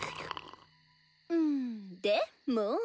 うんでもぉ。